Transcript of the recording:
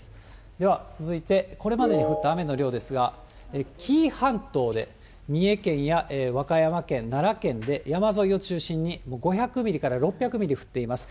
では、続いてこれまでに降った雨の量ですが、紀伊半島で、三重県や和歌山県、奈良県で山沿いを中心に５００ミリから６００ミリ降っています。